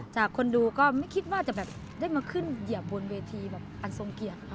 จากคนดูก็ไม่คิดว่าจะแบบได้มาขึ้นเหยียบบนเวทีแบบอันทรงเกียรติ